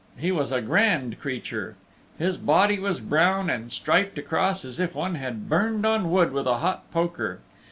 He was a grand creature. His body was brown and striped across as if one had burned on wood with a hot poker.